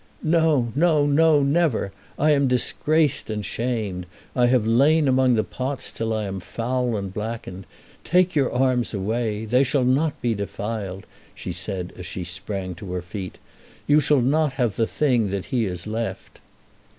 "No; no; no; never. I am disgraced and shamed. I have lain among the pots till I am foul and blackened. Take your arms away. They shall not be defiled," she said as she sprang to her feet. "You shall not have the thing that he has left."